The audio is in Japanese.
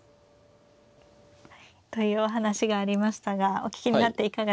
というお話がありましたがお聞きになっていかがですか。